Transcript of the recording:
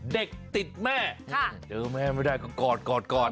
เด็กติดแม่เจอแม่ไม่ได้ก็กอดกอด